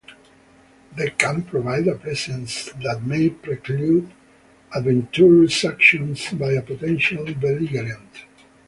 They can provide a presence that may preclude adventurous actions by a potential belligerent.